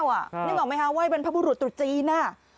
นึกออกไหมครับไหว้เป็นพระบุรุษตุรจีน